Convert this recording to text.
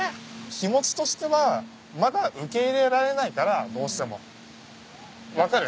気持ちとしてはまだ受け入れられないからどうしても分かる？